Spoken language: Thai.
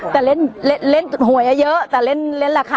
มีหลายเลข